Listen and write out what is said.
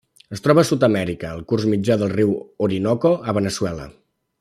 Es troba a Sud-amèrica: el curs mitjà del riu Orinoco a Veneçuela.